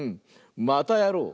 またやろう！